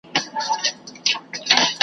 په دې جنګ يې پلار مړ دی .